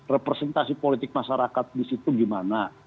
representasi politik masyarakat di situ gimana